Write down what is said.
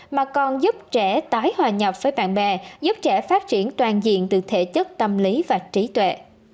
mà còn giúp trẻ tái hòa nhập với bạn bè giúp trẻ phát triển toàn diện từ thể chất tâm lý và trí tuệ